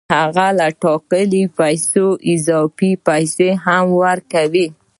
هغه له ټاکلو پیسو سره اضافي پیسې هم ورکوي